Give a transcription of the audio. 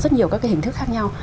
rất nhiều các cái hình thức khác nhau